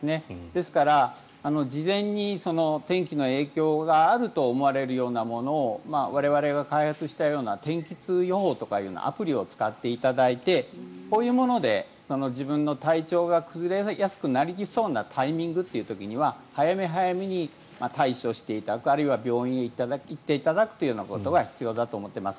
ですから、事前に天気の影響があると思われるようなものを我々が開発したような天気痛予報というようなアプリを使っていただいてそういうもので自分の体調が崩れやすくなりそうなタイミングという時には早め早めに対処していただくあるいは病院に行っていただくというようなことが必要だと思ってます。